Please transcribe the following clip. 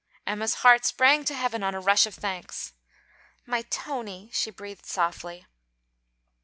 Emma's heart sprang to heaven on a rush of thanks. 'My Tony,' she breathed softly.